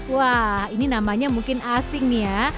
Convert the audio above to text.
wah ini namanya mungkin asing nih ya